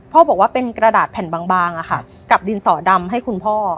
บอกว่าเป็นกระดาษแผ่นบางกับดินสอดำให้คุณพ่อ